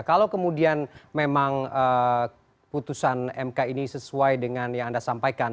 kalau kemudian memang putusan mk ini sesuai dengan yang anda sampaikan